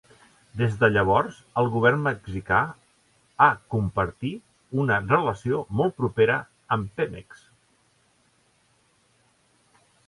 Des de llavors, el govern mexicà ha compartir una relació molt propera amb Pemex.